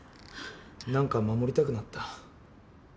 なんか守りたくなった。